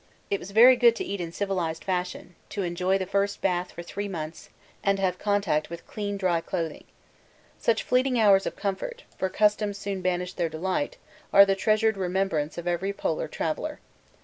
It was very good to eat in civilised fashion, to enjoy the first bath for three months, and have contact with clean, dry clothing. Such fleeting hours of comfort (for custom soon banished their delight) are the treasured remembrance of every Polar traveller.